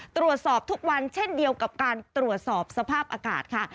ตรวจสอบทุกวันเช่นเดียวกับการตรวจสอบสภาพอากาศค่ะ